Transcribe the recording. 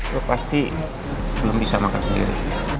dia pasti belum bisa makan sendiri